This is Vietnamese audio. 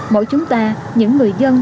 mỗi chúng ta những người dân